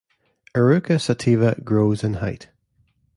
"Eruca sativa" grows in height.